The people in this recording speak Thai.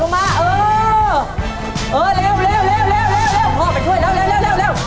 ลงมาเออเออเร็วเร็วเร็วเร็วพ่อไปช่วยเร็วเร็วเร็ว